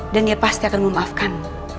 dan ia pasti akan memaafkanmu